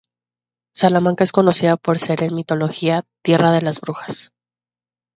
Salamanca es conocida por ser -en mitología- "tierra de brujas".